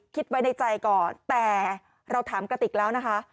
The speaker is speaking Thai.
คิดไว้ในใจก่อนแต่เราถามกระติกแล้วนะคะ